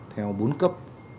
theo bốn cấp